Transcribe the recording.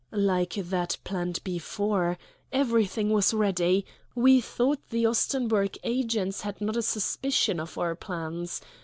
"Like that planned before. Everything was ready. We thought the Ostenburg agents had not a suspicion of our plans.